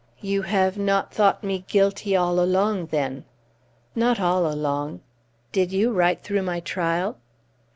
"You have not thought me guilty all along, then?" "Not all along." "Did you right through my trial?"